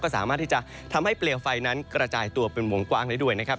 สามารถที่จะทำให้เปลวไฟนั้นกระจายตัวเป็นวงกว้างได้ด้วยนะครับ